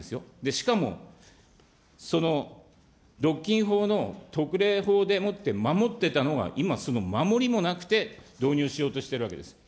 しかも、その独禁法の特例法でもって守ってたのが、今その守りもなくて、導入しようとしているわけです。